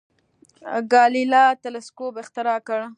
ګالیله تلسکوپ اختراع کړ.